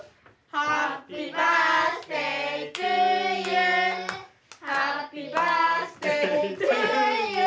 「ハッピーバースデートゥユー」「ハッピーバースデートゥユー」